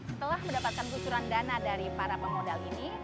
setelah mendapatkan kucuran dana dari para pemodal ini